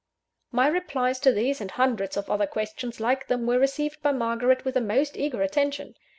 My replies to these and hundreds of other questions like them, were received by Margaret with the most eager attention.